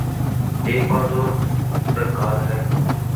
ایک بات اور درکار ہے۔